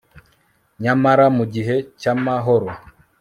Nyamara mu gihe cyamahoro